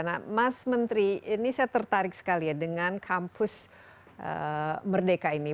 nah mas menteri ini saya tertarik sekali ya dengan kampus merdeka ini